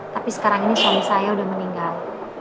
tapi sekarang ini suami saya sudah meninggal